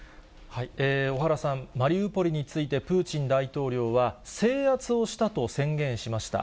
小原さん、マリウポリについて、プーチン大統領は、制圧をしたと宣言しました。